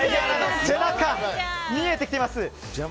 見えてきています！